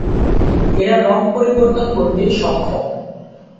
এরা রঙ পরিবর্তন করতে সক্ষম।